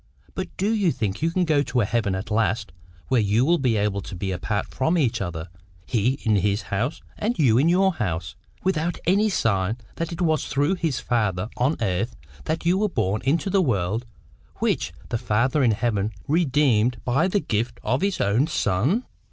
But do you think you can go to a heaven at last where you will be able to keep apart from each other, he in his house and you in your house, without any sign that it was through this father on earth that you were born into the world which the Father in heaven redeemed by the gift of His own Son?"